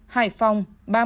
hải phòng ba mươi